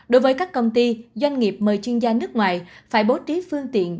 đối với các công ty doanh nghiệp mời chuyên gia nước ngoài phải bố trí phương tiện